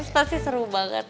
pasti seru banget